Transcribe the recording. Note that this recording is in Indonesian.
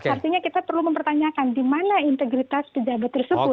artinya kita perlu mempertanyakan di mana integritas pejabat tersebut